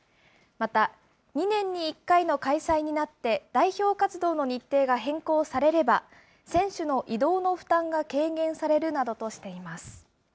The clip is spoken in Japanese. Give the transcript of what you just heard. また、２年に１回の開催になって、代表活動の日程が変更されれば、選手の移動の負担が軽減されるなどとしています。